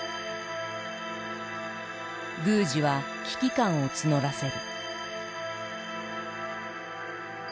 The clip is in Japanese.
宮司は危機感を募らせる。